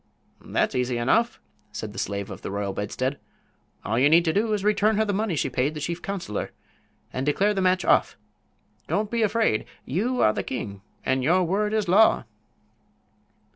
"That's easy enough," said the Slave of the Royal Bedstead. "All you need do is to return her the money she paid the chief counselor and declare the match off. Don't be afraid. You are the king, and your word is law."